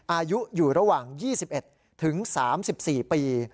อายุอยู่ระหว่าง๒๑ถึง๓๔ปี